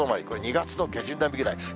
これ、２月の下旬並みくらい。